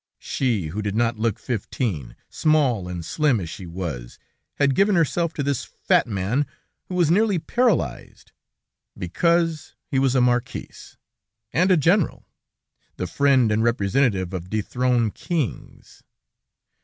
She, who did not look fifteen, small and slim as she was, had given herself to this fat man, who was nearly paralyzed, because he was a marquis and a general, the friend and representative of dethroned kings.